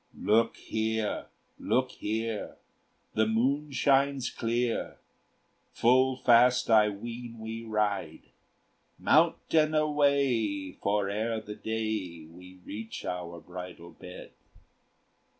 "Look here, look here the moon shines clear Full fast I ween we ride; Mount and away! for ere the day We reach our bridal bed.